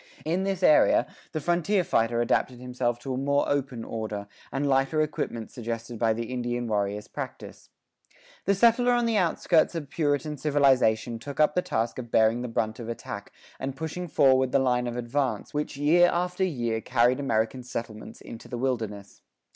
In this era the frontier fighter adapted himself to a more open order, and lighter equipment suggested by the Indian warrior's practice.[40:5] The settler on the outskirts of Puritan civilization took up the task of bearing the brunt of attack and pushing forward the line of advance which year after year carried American settlements into the wilderness.